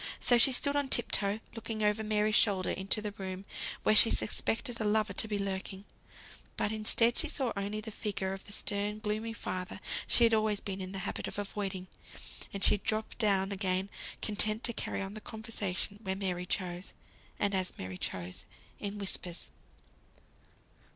So she stood on tip toe, looking over Mary's shoulders into the room where she suspected a lover to be lurking; but instead, she saw only the figure of the stern, gloomy father she had always been in the habit of avoiding; and she dropped down again, content to carry on the conversation where Mary chose, and as Mary chose, in whispers.